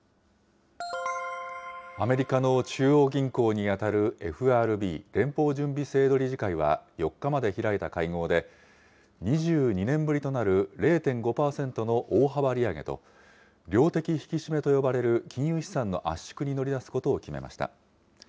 アメリカの中央銀行に当たるＦＲＢ・連邦準備制度理事会は４日まで開いた会合で、２２年ぶりとなる０．５％の大幅利上げと、量的引き締めと呼ばれる金融資産の圧縮に乗り出すことを決めました。